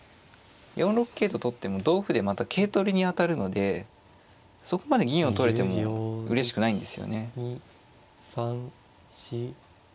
４六桂と取っても同歩でまた桂取りに当たるのでそこまで銀を取れてもうれしくないんですよね。